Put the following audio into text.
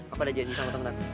aku ada janji sama temen aku